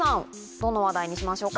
どの話題にしましょうか？